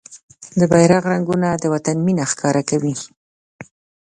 د بېرغ رنګونه د وطن مينه ښکاره کوي.